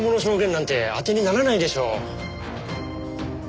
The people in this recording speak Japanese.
なんてあてにならないでしょう。